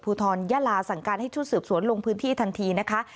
ทรยะลาสั่งการให้ชุดสืบสวนลงพื้นที่ทันทีนะคะ